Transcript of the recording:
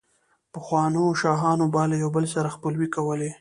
پخوانو شاهانو به له يو بل سره خپلوۍ کولې،